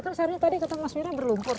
kan seharusnya tadi kata mas mira berlumpur